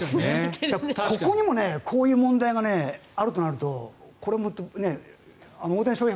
ここにもこういう問題があるとなるとこれも大谷翔平